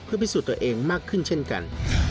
พิสูจน์ตัวเองมากขึ้นเช่นกัน